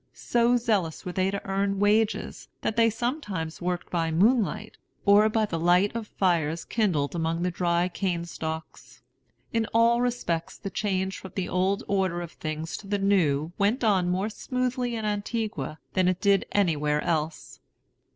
So zealous were they to earn wages, that they sometimes worked by moonlight, or by the light of fires kindled among the dry cane stalks. In all respects, the change from the old order of things to the new went on more smoothly in Antigua than it did anywhere else.